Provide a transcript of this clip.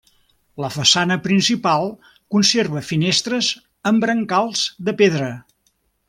La façana principal conserva finestres amb brancals de pedra.